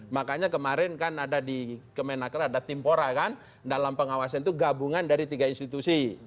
makanya kemarin kan ada di kemenaker ada timpora kan dalam pengawasan itu gabungan dari tiga institusi